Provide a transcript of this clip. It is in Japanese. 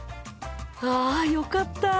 あよかった！